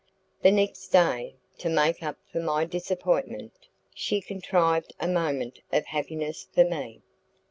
The next day, to make up for my disappointment, she contrived a moment of happiness for me.